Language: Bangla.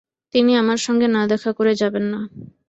তিনি আমার সঙ্গে না দেখা করে যাবেন না।